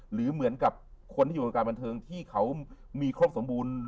หรือเหมือนกับคนที่อยู่ในวงการบันเทิงที่เขามีครบสมบูรณ์